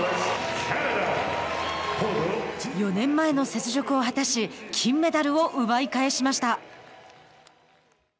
４年前の雪辱を果たし金メダルを奪い返しました。